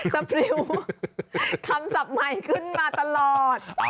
พริวคำศัพท์ใหม่ขึ้นมาตลอด